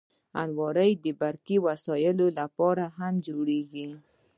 الماري د برقي وسایلو لپاره هم جوړیږي